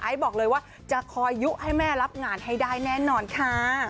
บอกเลยว่าจะคอยยุให้แม่รับงานให้ได้แน่นอนค่ะ